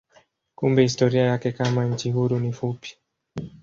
Kumbe historia yake kama nchi huru ni fupi.